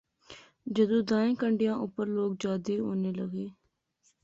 جدوں دائیں کنڈیاں اُپر لوک جادے ہونے لغے